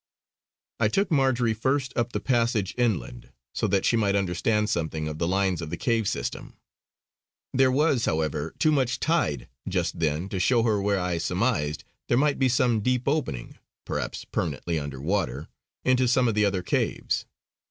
I took Marjory first up the passage inland, so that she might understand something of the lines of the cave system. There was, however, too much tide just then to show her where I surmised there might be some deep opening, perhaps permanently under water, into some of the other caves.